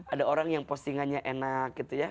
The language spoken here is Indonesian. ada orang yang postingannya enak gitu ya